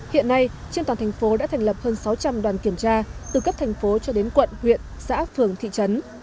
hiện nay trên toàn thành phố đã thành lập hơn sáu trăm linh đoàn kiểm tra từ cấp thành phố cho đến quận huyện xã phường thị trấn